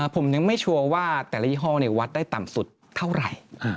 ผมยังไม่ชัวร์ว่าแต่ละยี่ห้อวัดได้ต่ำสุดเท่าไหร่